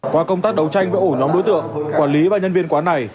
qua công tác đấu tranh với ổ nhóm đối tượng quản lý và nhân viên quán này